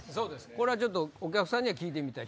これはちょっとお客さんには聞いてみたい。